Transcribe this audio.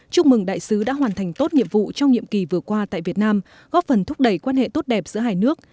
chúc mừng đại sứ đã hoàn thành tốt nhiệm vụ trong nhiệm kỳ vừa qua tại việt nam góp phần thúc đẩy quan hệ tốt đẹp giữa hai nước